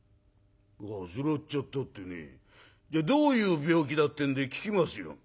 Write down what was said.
「患っちゃったってねじゃあどういう病気だってんで聞きますよ」。